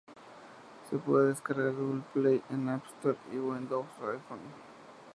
Se puede descargar en Google Play, en App Store y en Windows Phone.